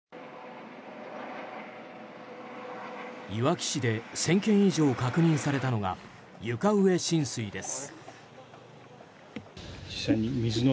いわき市で１０００軒以上確認されたのが床上浸水です。